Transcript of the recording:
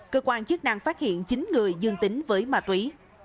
cơ quan chức năng phát hiện chín người dương tính với ma túy